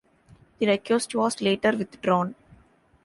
The request was later withdrawn.